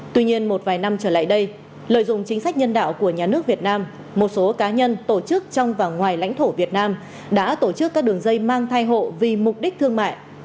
tuy nhiên một vài năm trở lại đây lợi dụng chính sách nhân đạo của nhà nước việt nam một số cá nhân tổ chức trong và ngoài lãnh thổ việt nam đã tổ chức các đường dây mang thai hộ vì mục đích thương mại